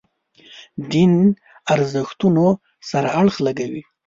دین ارزښتونو سره اړخ لګوي.